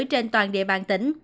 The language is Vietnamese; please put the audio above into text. trên toàn địa bàn tỉnh